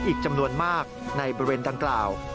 อีกจำนวนมากในบริเวณดังกล่าว